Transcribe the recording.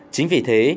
chính vì thế